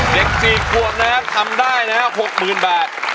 เด็ก๔กว่ำทำได้๖หมื่นบาท